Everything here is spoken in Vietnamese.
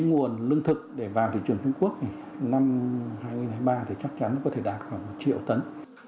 nguồn lương thực để vào thị trường trung quốc năm hai nghìn hai mươi ba thì chắc chắn có thể đạt khoảng một triệu tấn